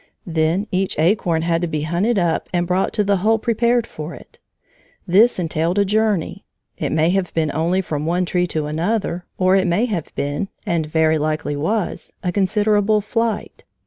Then each acorn had to be hunted up and brought to the hole prepared for it. This entailed a journey, it may have been only from one tree to another, or it may have been, and very likely was, a considerable flight.